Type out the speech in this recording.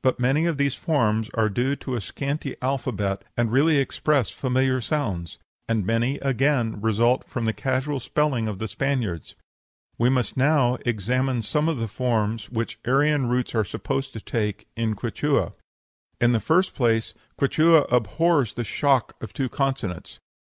But many of these forms are due to a scanty alphabet, and really express familiar sounds; and many, again, result from the casual spelling of the Spaniards. We must now examine some of the forms which Aryan roots are supposed to take in Quichua. In the first place, Quichua abhors the shock of two consonants.